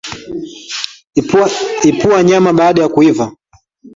Epua nyama baada ya kuiva